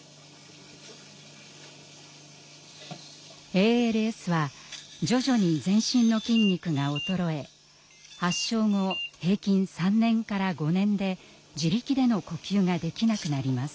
ＡＬＳは徐々に全身の筋肉が衰え発症後平均３年から５年で自力での呼吸ができなくなります。